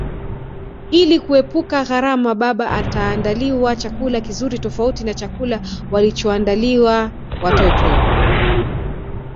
Ili kuepuka gharama baba ataandaliwa chakula kizuri tofauti na chakula walichoandaliwa watoto